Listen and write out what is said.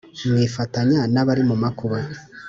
Mwifatanya n abari mu makuba